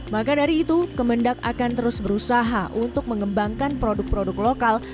maka dari itu kemendak akan terus berusaha untuk mengembangkan produk produk lokal